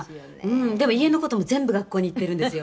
「でも家の事も全部学校に言ってるんですよ」